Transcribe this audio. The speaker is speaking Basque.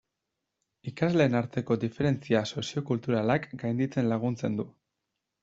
Ikasleen arteko diferentzia soziokulturalak gainditzen laguntzen du.